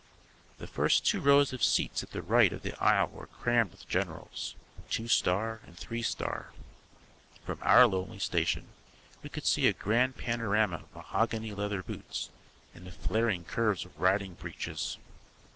The first two rows of seats at the right of the aisle were crammed with generals, two star and three star. From our lowly station we could see a grand panorama of mahogany leather boots and the flaring curves of riding breeches.